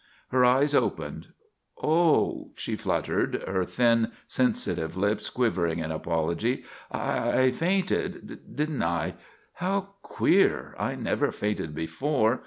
Her eyes opened. "Oh," she fluttered, her thin, sensitive lips quivering in apology, "I fainted, didn't I? How queer. I never fainted before.